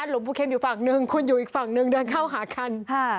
หลวงปู่เข็มอยู่ฝั่งหนึ่งคุณอยู่อีกฝั่งหนึ่งเดินเข้าหาคัน